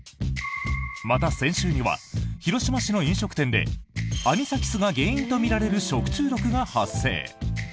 また、先週には広島市の飲食店でアニサキスが原因とみられる食中毒が発生。